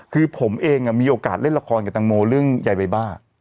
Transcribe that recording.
คือผมเองมีโอกาสเล่นละครกับตังโมเรื่องยายใบบ้า